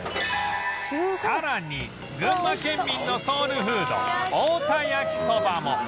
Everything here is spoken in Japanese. さらに群馬県民のソウルフード太田焼きそばも